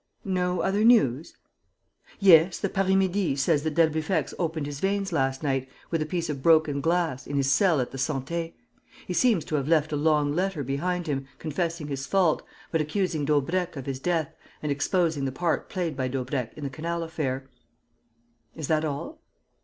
"No other news?" "Yes, the Paris Midi says that d'Albufex opened his veins last night, with a piece of broken glass, in his cell at the Santé. He seems to have left a long letter behind him, confessing his fault, but accusing Daubrecq of his death and exposing the part played by Daubrecq in the canal affair." "Is that all?"